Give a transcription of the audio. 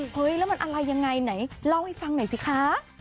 เฮ้ยแล้วมันอะไรยังไงไหนเล่าให้ฟังหน่อยสิคะ